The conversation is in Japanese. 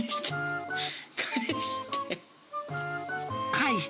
返して。